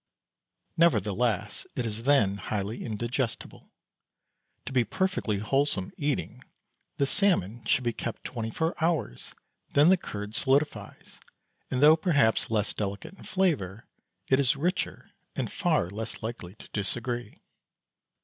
Nevertheless, it is then highly indigestible; to be perfectly wholesome eating the salmon should be kept twenty four hours, then the curd solidifies, and though perhaps less delicate in flavour, it is richer and far less likely to disagree.